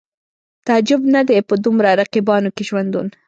تعجب نه دی په دومره رقیبانو کې ژوندون